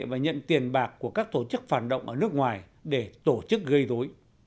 và nhận tiền bạc của các tổ chức phản động ở nước ngoài để tổ chức gây dối